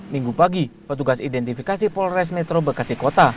minggu pagi petugas identifikasi polres metro bekasi kota